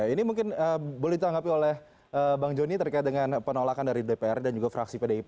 ini mungkin boleh ditanggapi oleh bang joni terkait dengan penolakan dari dpr dan juga fraksi pdip